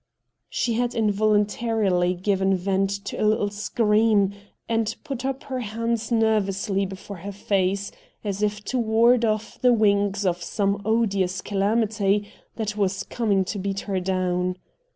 She had involuntarily given vent to a little scream, and put up her hands nervously before her face, as if to ward off the wings of some odious calamity that was coming to beat her down.